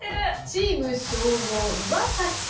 チーム正蔵岩さん。